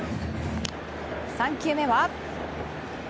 ３球目は。